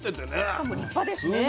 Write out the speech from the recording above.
しかも立派ですね。